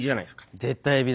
絶対エビだな。